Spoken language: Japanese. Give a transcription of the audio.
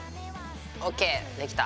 ＯＫできた。